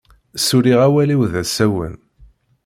Suliɣ awal-iw d-asawen.